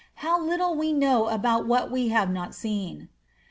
How little we know about that which we have not seen!